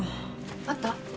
あった？